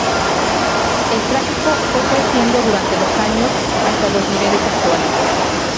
El tráfico fue creciendo durante los años hasta los niveles actuales.